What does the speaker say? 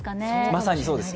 まさにそうです。